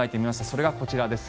それがこちらです。